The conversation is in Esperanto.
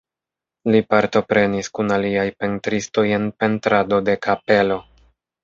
Li partoprenis kun aliaj pentristoj en pentrado de kapelo.